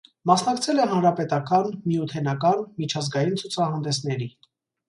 Մասնակցել է հանրապետական, միութենական, միջազգային ցուցահանդեսների։